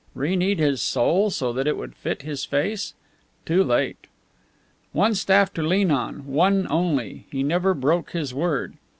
reknead his soul so that it would fit his face? Too late! One staff to lean on, one only he never broke his word.